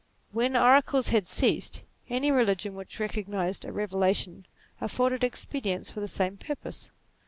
When oracles had ceased, any religion which recognized a revelation afforded expedients for the same purpose.